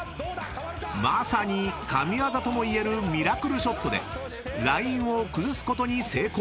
［まさに神業とも言えるミラクルショットでラインを崩すことに成功］